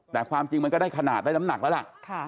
แต่ความจริงมันก็ได้ขนาดได้น้ำหนักแล้วล่ะ